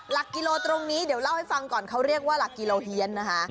หลักกิโลตรงนี้เดี๋ยวเล่าให้ฟังก่อนเขาเรียกว่าหลักกิโลเฮียนนะคะ